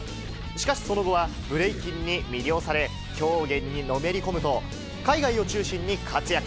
しかし、その後はブレイキンに魅了され、競技にのめり込むと、海外を中心に活躍。